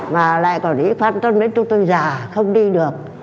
mà lại còn ý phân tân với chúng tôi già không đi được